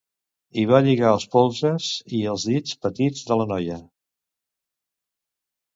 I va lligar els polzes i els dits petits de la noia.